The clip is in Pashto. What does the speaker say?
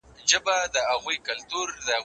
زه به شګه پاکه کړې وي،